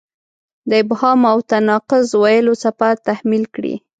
د ابهام او تناقض ویلو څپه تحمیل کړې.